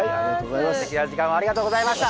すてきな時間をありがとうございました。